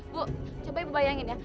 bu coba ibu bayangin ya